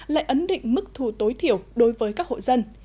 lại ấn định mức thù tối thiểu đối với các hộ dân